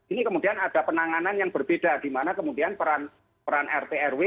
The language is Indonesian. ini kemudian ada penanganan yang berbeda di mana kemudian peran rt rw